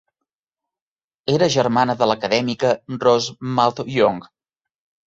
Era germana de l'acadèmica Rose Maud Young.